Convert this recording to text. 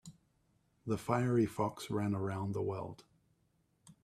The fiery fox ran around the world.